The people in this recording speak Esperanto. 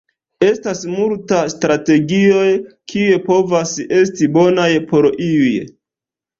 Estas multa strategioj, kiuj povas esti bonaj por iuj.